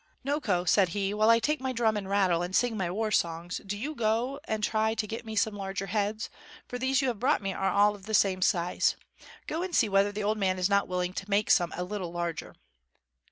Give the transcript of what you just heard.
"Noko," said he, "while I take my drum and rattle, and sing my war songs, do you go and try to get me some larger heads, for these you have brought me are all of the same size. Go and see whether the old man is not willing to make some a little larger."